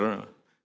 kalau saya diterima